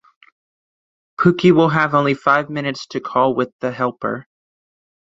Pookie will have only five minutes to call with the helper.